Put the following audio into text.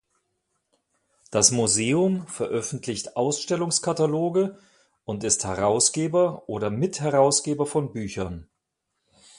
Das Museum veröffentlicht Ausstellungskataloge und ist Herausgeber oder Mitherausgeber von Büchern.